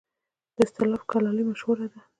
د استالف کلالي مشهوره ده